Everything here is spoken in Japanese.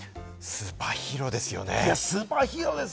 スーパーヒーローですよ！